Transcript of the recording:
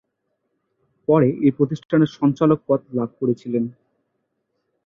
পরে এই প্রতিষ্ঠানের সঞ্চালক পদ লাভ করেছিলেন।